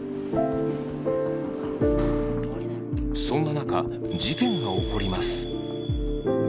そんな中事件が起こります。